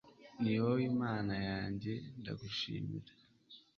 ni wowe imana yanjye, ndagushimira